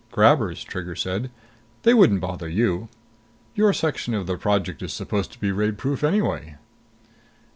"Grabbers," Trigger said. "They wouldn't bother you. Your section of the project is supposed to be raidproof anyway."